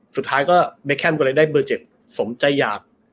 สุดท้ายก็เบแคมก็เลยได้เบอร์๗สมใจอยาก